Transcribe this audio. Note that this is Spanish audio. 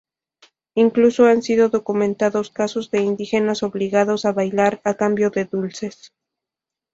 Incluso han sido documentados casos de indígenas obligados a bailar a cambio de dulces.